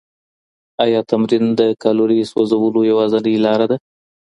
ایا تمرین د کالوري سوځولو یوازینۍ لاره ده؟